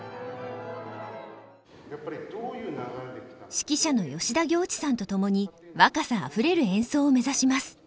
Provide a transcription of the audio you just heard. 指揮者の吉田行地さんと共に若さあふれる演奏を目指します。